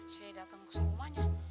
saya datang ke rumahnya